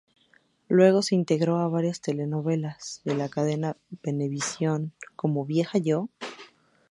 Luego se integró a varias telenovelas de la cadena Venevisión, como "¿Vieja yo?